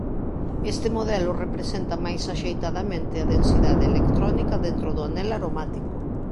Este modelo representa máis axeitadamente a densidade electrónica dentro do anel aromático.